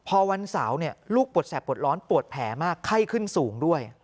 พอวันเสาร์ลูกปวดแสบปวดร้อนปวดแผลมากไข้ขึ้นสูงด้วย